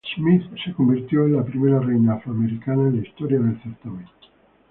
Smith se convirtió en la primera reina afroamericana en la historia del certamen.